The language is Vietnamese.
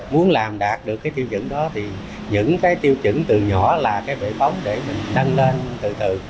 muốn làm đạt được cái tiêu chuẩn đó thì những cái tiêu chuẩn từ nhỏ là cái bể bóng để mình tăng lên từ từ